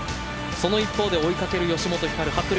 その一方で追いかける吉本ひかる